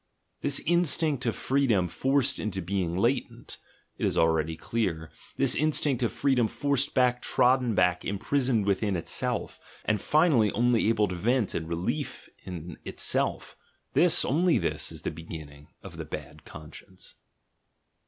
This instinct of freedom forced into being latent — it is already clear — this instinct of freedom farced back, trodden back, imprisoned within itself, and finally only able to find vent and relief in itself; this, only this, is the beginning of the "bad conscience."